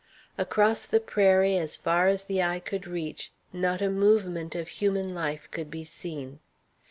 Across the prairie, as far as the eye could reach, not a movement of human life could be seen.